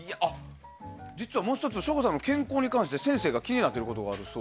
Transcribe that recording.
もう１つ省吾さんの健康に関して先生が気になっていることが。